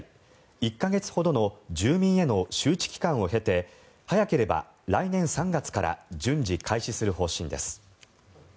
１か月ほどの住民への周知期間を経て早ければ来年３月から順次、開始する方針です。